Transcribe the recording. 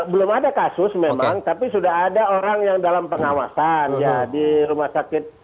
belum ada kasus memang tapi sudah ada orang yang dalam pengawasan ya di rumah sakit